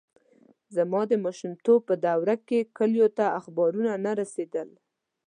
زما د ماشومتوب په دوره کې کلیو ته اخبارونه نه رسېدل.